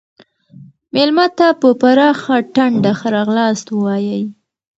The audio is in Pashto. مېلمه ته په پراخه ټنډه ښه راغلاست ووایئ.